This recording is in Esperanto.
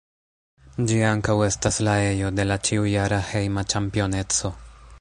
Ĝi ankaŭ estas la ejo de la ĉiujara hejma ĉampioneco.